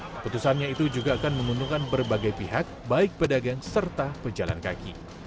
keputusannya itu juga akan menguntungkan berbagai pihak baik pedagang serta pejalan kaki